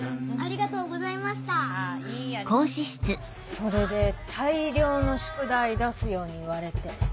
それで大量の宿題出すように言われて。